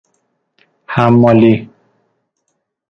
حمالی